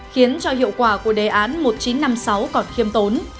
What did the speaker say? khiến cho hiệu quả của đề án một nghìn chín trăm năm mươi sáu còn khiêm tốn